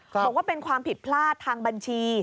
บอกว่าเป็นความผิดพลาดทางบัญชี